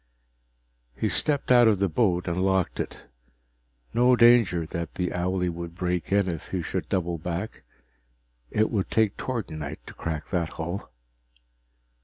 He stepped out of the boat and locked it. No danger that the owlie would break in if he should double back; it would take tordenite to crack that hull.